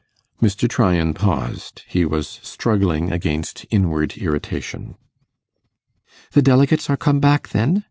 Mr. Tryan paused. He was struggling against inward irritation. 'The delegates are come back, then?